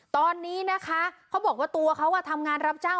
ตอนนี้นะคะเขาบอกว่าตัวเขาทำงานรับจ้าง